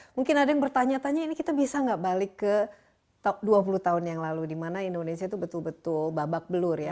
mungkin ada yang bertanya tanya ini kita bisa nggak balik ke dua puluh tahun yang lalu dimana indonesia itu betul betul babak belur ya